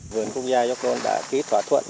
vườn quốc gia gióc đôn đã ký thỏa thuận